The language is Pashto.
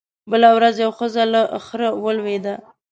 بله ورځ يوه ښځه له خرې ولوېده